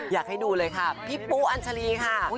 อยากให้ดูเลยค่ะพี่ปุ๊อัญชาลีค่ะ